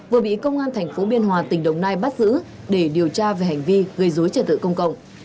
vừa bị công an tp biên hòa tỉnh đồng nai bắt giữ để điều tra về hành vi gây dối trật tự công cộng